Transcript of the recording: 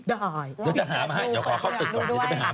เดี๋ยวจะหามาให้เดี๋ยวขอเข้าตึกก่อน